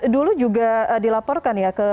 dulu juga dilaporkan ya ke